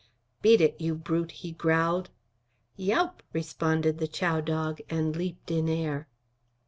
"Beat it, you brute!" he growled. "Yeowp!" responded the chow dog, and leaped in air.